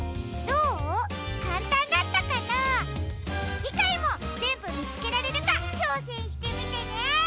じかいもぜんぶみつけられるかちょうせんしてみてね！